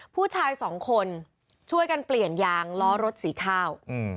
ผู้ชายสองคนช่วยกันเปลี่ยนยางล้อรถสีข้าว